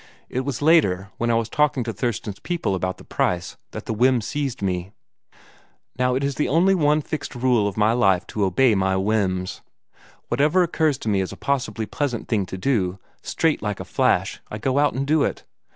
It was later, when I was talking to Thurston's people about the price, that the whim seized me. Now it is the one fixed rule of my life to obey my whims. Whatever occurs to me as a possibly pleasant thing to do, straight like a hash, I go and do it.